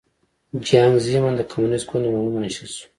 جیانګ زیمن د کمونېست ګوند عمومي منشي شو.